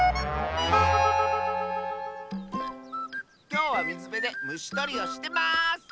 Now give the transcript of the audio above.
きょうはみずべでむしとりをしてます！